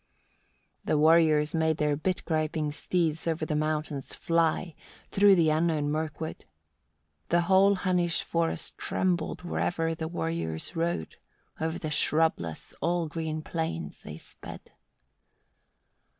13. The warriors made their bit griping steeds over the mountains fly, through the unknown Murkwood. The whole Hunnish forest trembled where'er the warriors rode; over the shrubless, all green plains they sped.